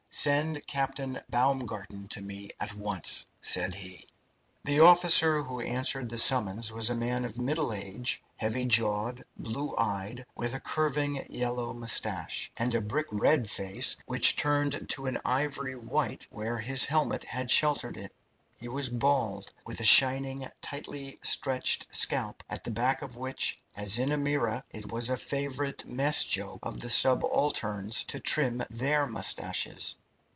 "Send Captain Baumgarten to me at once," said he. The officer who answered the summons was a man of middle age, heavy jawed, blue eyed, with a curving yellow moustache, and a brick red face which turned to an ivory white where his helmet had sheltered it. He was bald, with a shining, tightly stretched scalp, at the back of which, as in a mirror, it was a favourite mess joke of the subalterns to trim their moustaches.